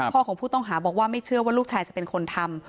ของผู้ต้องหาบอกว่าไม่เชื่อว่าลูกชายจะเป็นคนทำ